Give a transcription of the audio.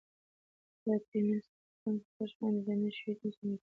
دا د تېنس بوټان په فرش باندې د نه ښویېدو ځانګړتیا لري.